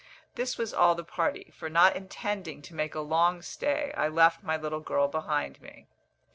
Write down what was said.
This was all the party; for not intending to make a long stay, I left my little girl behind me.